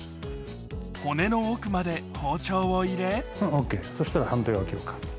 骨の奥まで包丁を入れＯＫそしたら反対側を切ろうか。